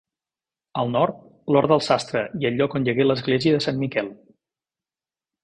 Al nord, l'Hort del Sastre i el lloc on hi hagué l'església de Sant Miquel.